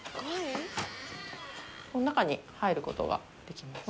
この中に入ることができます。